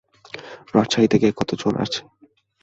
রাজশাহী থেকে কতজন আছে?